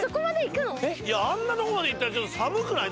いやあんなとこまで行ったらちょっと。